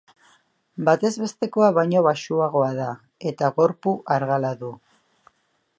Batezbestekoa baino baxuagoa da eta gorpu argala du.